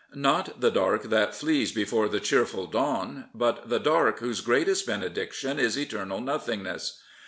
Not the dark that flees before the cheerful dawn, but the dark whose greatest benediction is eternal nothingness.